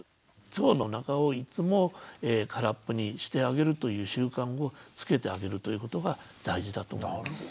腸の中をいつも空っぽにしてあげるという習慣をつけてあげるということが大事だと思います。